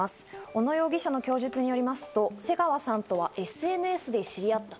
小野容疑者の供述によりますと、瀬川さんとはＳＮＳで知り合った。